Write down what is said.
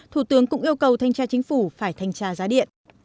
thủ tướng cũng yêu cầu thanh tra chính phủ phải thanh tra giá điện